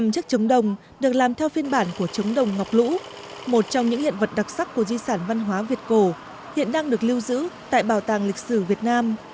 năm chiếc trống đồng được làm theo phiên bản của trống đồng ngọc lũ một trong những hiện vật đặc sắc của di sản văn hóa việt cổ hiện đang được lưu giữ tại bảo tàng lịch sử việt nam